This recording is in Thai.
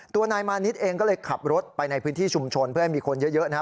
ตัวนายมานิดเองก็เลยขับรถไปในพื้นที่ชุมชนเพื่อให้มีคนเยอะนะครับ